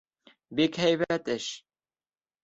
— Бик һәйбәт эш.